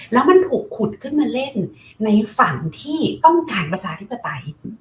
แล้วมันถูกขุดขึ้นมาเล่นในฝั่งที่ต้องการประชาธิปไตย